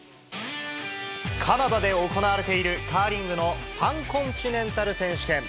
カナダで行われているカーリングのパンコンチネンタル選手権。